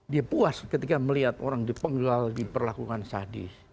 dia puas ketika melihat orang dipenggal diperlakukan sadis